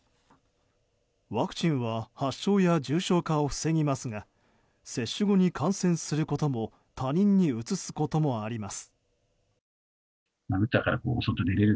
ワクチンは発症や重症化を防ぎますが接種後に感染することも他人にうつすこともあります。